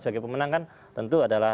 sebagai pemenang kan tentu adalah